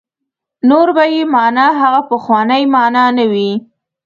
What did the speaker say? نور به یې معنا هغه پخوانۍ معنا نه وي.